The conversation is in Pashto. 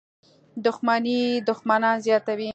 • دښمني دښمنان زیاتوي.